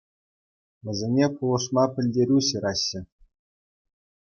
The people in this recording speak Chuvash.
Вӗсене пулӑшма пӗлтерӳ ҫыраҫҫӗ.